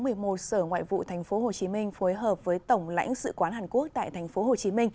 sở ngoại vụ tp hcm phối hợp với tổng lãnh sự quán hàn quốc tại tp hcm